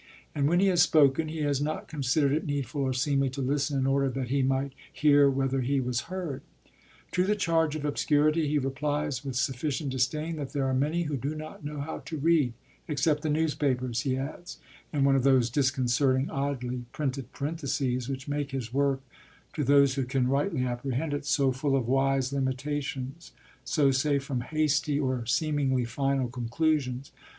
And when he has spoken he has not considered it needful or seemly to listen in order that he might hear whether he was heard. To the charge of obscurity he replies, with sufficient disdain, that there are many who do not know how to read except the newspapers, he adds, in one of those disconcerting, oddly printed parentheses, which make his work, to those who can rightly apprehend it, so full of wise limitations, so safe from hasty or seemingly final conclusions.